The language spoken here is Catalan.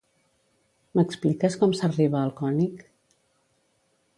M'expliques com s'arriba al König?